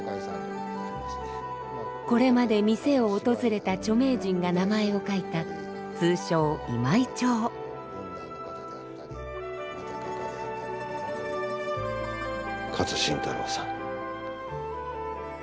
これまで店を訪れた著名人が名前を書いた通称勝新太郎さん。